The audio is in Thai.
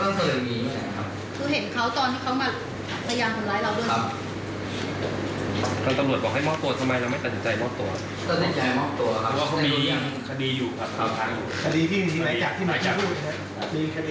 ยังไหลระยะพวกนี้ถ้าว่าพี่ใช่ชื่ออะไรครับ